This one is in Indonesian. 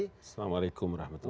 assalamualaikum wr wb